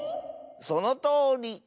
そのとおり。